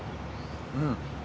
うん。